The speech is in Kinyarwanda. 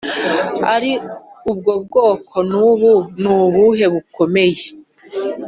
ari ubwo bwoko n’ubu nubuhe bukomeye